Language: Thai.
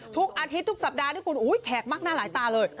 ทุกอาทิตย์ทุกสัปดาห์ที่คุณอุ๊ยแขกมักหน้าหลายตาเลย